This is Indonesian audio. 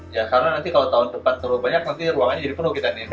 ya karena nanti kalau tahun depan terlalu banyak nanti ruangannya jadi penuh kita nih